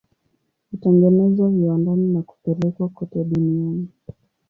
Hutengenezwa viwandani na kupelekwa kote duniani.